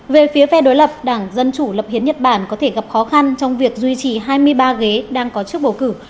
về phía phe đối lập đảng dân chủ lập hiến nhật bản có thể gặp khó khăn trong việc duy trì hai mươi ba ghế đang có trước bầu cử